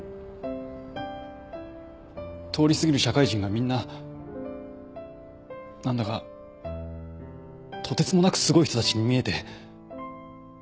通り過ぎる社会人がみんな何だかとてつもなくすごい人たちに見えて。